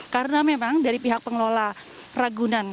karena memang dari pihak pengelola ragunan